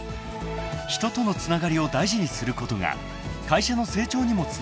［人とのつながりを大事にすることが会社の成長にもつながっていく］